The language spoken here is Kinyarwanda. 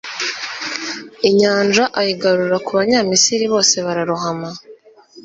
inyanja ayigarura ku banyamisiri, bose bararohama